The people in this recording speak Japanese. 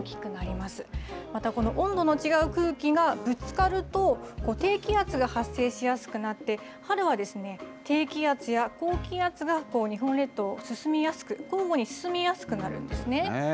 またこの温度の違う空気がぶつかると、低気圧が発生しやすくなって、春は低気圧や高気圧が日本列島を進みやすく、交互に進みやすくなるんですね。